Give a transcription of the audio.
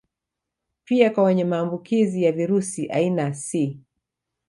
Pia kwa wenye maambukizi ya virusi aina C